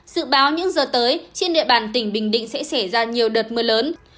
sự báo những giờ tới trên địa bàn tỉnh bình định sẽ xảy ra nhiều đợt mưa lớn